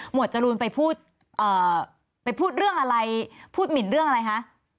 หมวดจรูนไปพูดเรื่องอะไรพูดหมิ่นเรื่องอะไรคะ